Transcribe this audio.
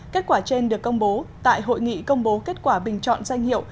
kết quả trên được công bố tại hội nghị công bố kết quả bình chọn danh hiệu